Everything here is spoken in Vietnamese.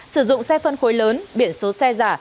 sử dụng xe phân khối lớn biển số xe giả